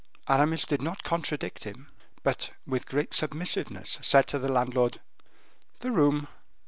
Aramis did not contradict him, but, with great submissiveness, said to the landlord: "The room."